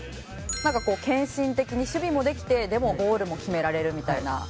なんかこう献身的に守備もできてでもゴールも決められるみたいな。